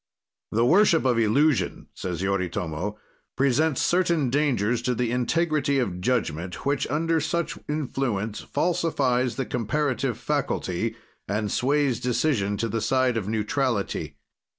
"The worship of illusion," says Yoritomo, "presents certain dangers to the integrity of judgment, which, under such influence, falsifies the comparative faculty, and sways decision to the side of neutrality.